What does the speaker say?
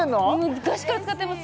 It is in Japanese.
昔から使ってます